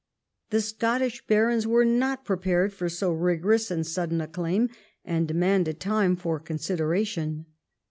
The Scottish barons were not prepared for so rigorous and sudden a claim, and demanded time for consideration.